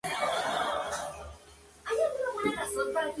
Su tipo de voz es Contralto.